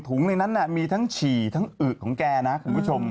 ในนั้นมีทั้งฉี่ทั้งอึของแกนะคุณผู้ชม